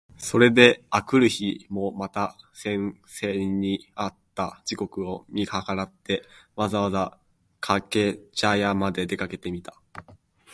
それで翌日（あくるひ）もまた先生に会った時刻を見計らって、わざわざ掛茶屋（かけぢゃや）まで出かけてみた。